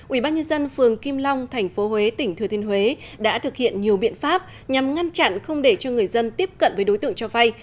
ubnd phường kim long tp huế tỉnh thừa thiên huế đã thực hiện nhiều biện pháp nhằm ngăn chặn không để cho người dân tiếp cận với đối tượng cho vay